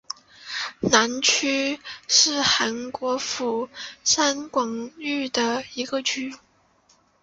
南区是韩国釜山广域市的一个区。